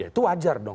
yang itu wajar dong